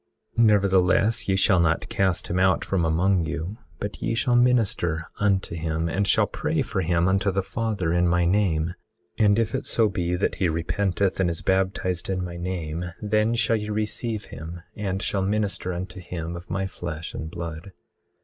18:30 Nevertheless, ye shall not cast him out from among you, but ye shall minister unto him and shall pray for him unto the Father, in my name; and if it so be that he repenteth and is baptized in my name, then shall ye receive him, and shall minister unto him of my flesh and blood.